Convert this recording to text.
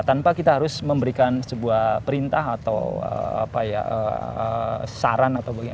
tanpa kita harus memberikan sebuah perintah atau saran atau bagaimana